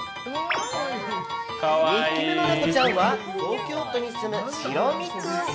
２匹目のネコちゃんは東京都に住む、しろみ君。